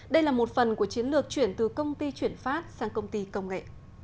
đây là một phần của chiến lược chuyển từ công ty chuyển phát sang công ty công nghệ